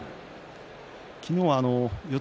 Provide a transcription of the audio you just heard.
昨日は四つ